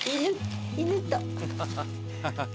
犬と。